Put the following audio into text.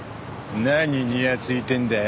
何ニヤついてんだよ。